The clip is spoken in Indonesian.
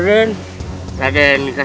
tidak ada yang di sana